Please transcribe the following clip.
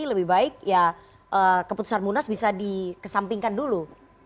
lebih baik ya keputusan munas bisa dikesampingkan dulu